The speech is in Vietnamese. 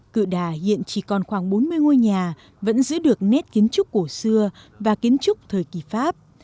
cự đà hiện chỉ còn khoảng bốn mươi ngôi nhà vẫn giữ được nét kiến trúc cổ xưa và kiến trúc thời kỳ pháp